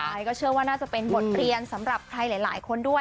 ใช่ก็เชื่อว่าน่าจะเป็นบทเรียนสำหรับใครหลายคนด้วย